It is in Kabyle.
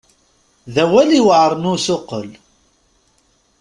D awal iweɛren i usuqel.